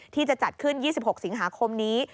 ที่จะจัดขึ้น๒๖สิงหาคมนี้